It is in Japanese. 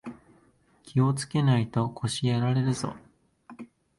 気をつけないと腰やられるぞ